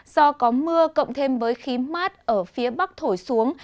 do có mưa cộng thêm với khí mát ở phía bắc thổi xuống